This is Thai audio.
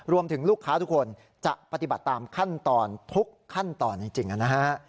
รวมถึงลูกค้าทุกคนจะปฏิบัติตามขั้นตอนทุกขั้นตอนจริงนะฮะ